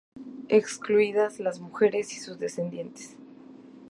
Quedaban excluidas las mujeres y sus descendientes.